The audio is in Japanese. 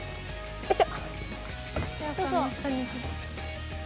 よいしょ！